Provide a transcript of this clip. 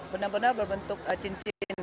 benar benar berbentuk cincin